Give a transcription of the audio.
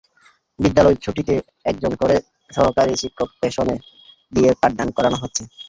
বিদ্যালয় দুটিতে একজন করে সহকারী শিক্ষক প্রেষণে দিয়ে পাঠদান করানো হচ্ছে।